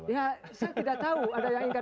ya saya tidak tahu ada yang ingin